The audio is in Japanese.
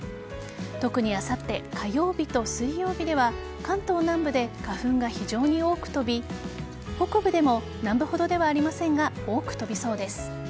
特にあさって火曜日と水曜日では関東南部で花粉が非常に多く飛び北部でも南部ほどではありませんが多く飛びそうです。